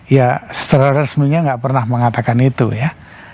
ya secara resminya nggak pernah mengatakan itu ya